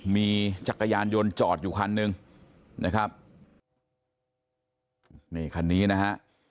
มีจักรยานยนต์จอดอยู่คันหนึ่งนะครับนี่คันนี้นะฮะ